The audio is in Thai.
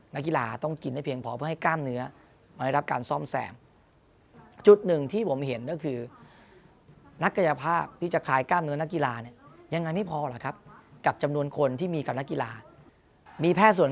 นักกีฬาต้องกินให้เพียงพอเพื่อให้กล้ามเนื้อมันได้รับการซ่อมแซมจุด